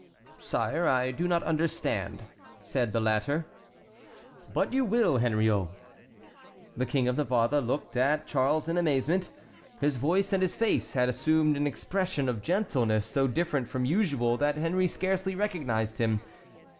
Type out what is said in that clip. "Sire, I do not understand," said the latter. "But you will, Henriot." The King of Navarre looked at Charles in amazement. His voice and his face had assumed an expression of gentleness so different from usual that Henry scarcely recognized him.